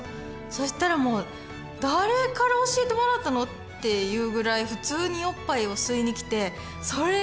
そしたらもう誰から教えてもらったのっていうぐらい普通におっぱいを吸いに来てそれがすごいなって思いました。